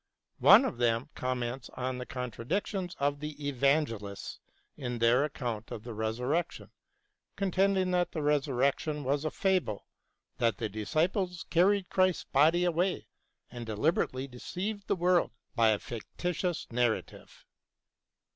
One of them com ments on the contradictions of the Evangelists in their account of the Resurrection, contending that the Resurrection was a fable, that the disciples carried Christ's body away and deliberately deceived the world by a fictitious narrative.